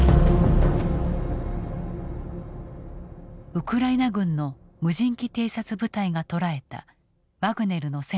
ウクライナ軍の無人機偵察部隊が捉えたワグネルの戦闘員の姿。